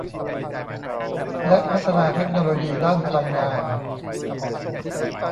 และพัฒนาเทคโนโลยีด้านพลังงาน